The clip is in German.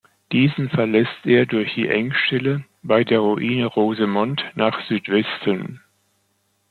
Diesen verlässt er durch die Engstelle bei der Ruine Rosemont nach Südwesten.